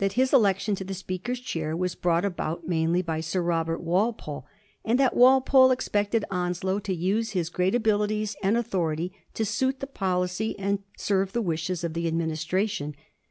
his election to the Speaker's chair was brought about mainly by Sir Robert Walpole, and that Walpole expected Onslow to use his great abilities and autho rity to suit the policiy and serve the wishes of the administration.